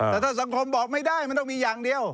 แต่ถ้าสังคมบอกไม่ได้มันต้องมีอย่างเดียว